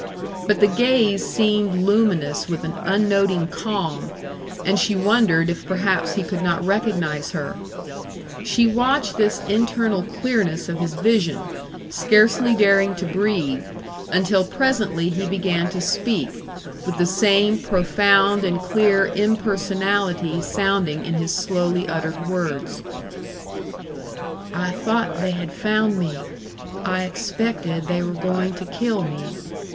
But the gaze seemed luminous with an unnoting calm, and she wondered if perhaps he could not recognize her; she watched this internal clearness of his vision, scarcely daring to breathe, until presently he began to speak, with the same profound and clear impersonality sounding in his slowly uttered words. "I thought they had found me. I expected they were going to kill me."